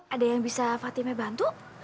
ada yang bisa fatima bantu